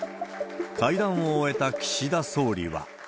会談を終えた岸田総理は。